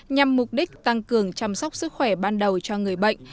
nhằm mục đích tăng cường chăm sóc sức khỏe ban đầu cho người bệnh